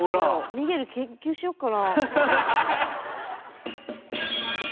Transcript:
ミゲル研究しよっかなあ。